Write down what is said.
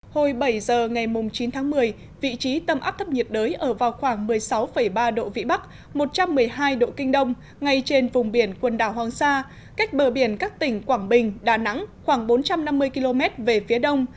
hồi bảy giờ ngày chín tháng một mươi vị trí tâm áp thấp nhiệt đới ở vào khoảng một mươi sáu ba độ vĩ bắc một trăm một mươi hai độ kinh đông ngay trên vùng biển quần đảo hoàng sa cách bờ biển các tỉnh quảng bình đà nẵng khoảng bốn trăm năm mươi km về phía đông